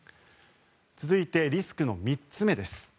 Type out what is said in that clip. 続いて、リスクの３つ目です。